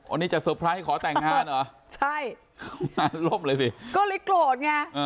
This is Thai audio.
อันนี้จะขอแต่งงานเหรอใช่รบเลยสิก็ริกโกรธไงอ่า